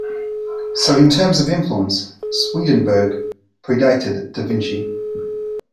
So, in terms of influence, Swedenborg predated da Vinci.